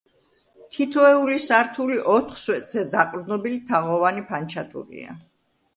თითოეული სართული ოთხ სვეტზე დაყრდნობილი თაღოვანი ფანჩატურია.